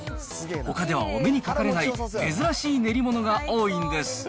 ほかではお目にかかれない、珍しい練り物が多いんです。